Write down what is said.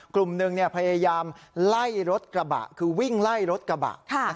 กลุ่มหนึ่งพยายามไล่รถกระบะคือวิ่งไล่รถกระบะ